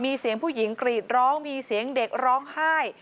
มีเสียงผู้หญิงกรีดร้องมีเสียงเด็กร้องไห้